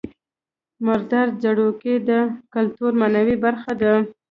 مردار ځړوکی د کولتور معنوي برخه ده